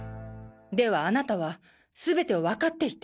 ではあなたは全てをわかっていて。